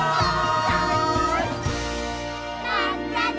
まったね！